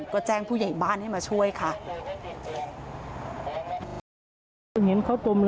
ก็แจ้งผู้ใหญ่บ้านให้มาช่วยค่ะ